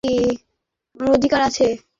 আমি তাকে ভোট দিয়েছি, আমার অধিকার আছে।